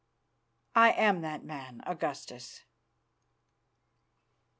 "I am that man, Augustus."